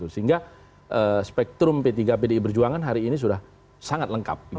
sehingga spektrum p tiga pdi perjuangan hari ini sudah sangat lengkap